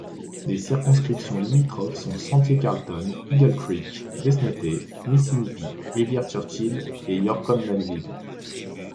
Les circonscriptions limitrophes sont Sentier Carlton—Eagle Creek, Desnethé—Missinippi—Rivière Churchill et Yorkton—Melville.